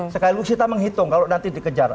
sekali lalu kita menghitung kalau nanti dikejar